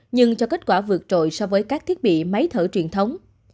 nhưng cho kết quả vượt trội so với các thiết bị máy thở truyền thống